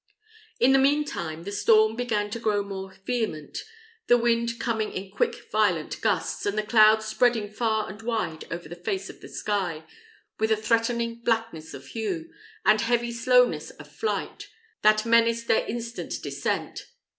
In the mean time the storm began to grow more vehement, the wind coming in quick violent gusts, and the clouds spreading far and wide over the face of the sky, with a threatening blackness of hue, and heavy slowness of flight, that menaced their instant descent.